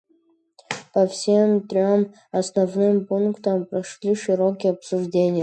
По всем трем основным пунктам прошли широкие обсуждения.